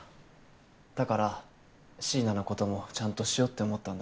だから椎名の事もちゃんとしようって思ったんだ。